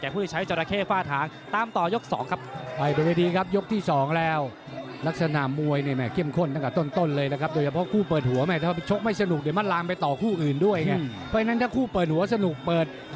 พวกท่านตอเรนี่นี่พูชิกลับบ้านหมดเลย